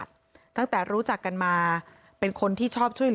แม่ของผู้ตายก็เล่าถึงวินาทีที่เห็นหลานชายสองคนที่รู้ว่าพ่อของตัวเองเสียชีวิตเดี๋ยวนะคะ